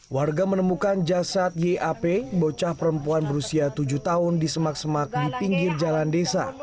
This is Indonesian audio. warga menemukan jasad yap bocah perempuan berusia tujuh tahun di semak semak di pinggir jalan desa